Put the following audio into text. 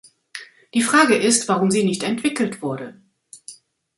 Die Frage ist, warum sie nicht entwickelt wurde.